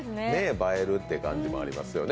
映えるって感じもありますよね。